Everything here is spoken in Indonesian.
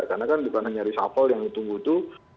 karena kan di perananya risafel yang ditunggu itu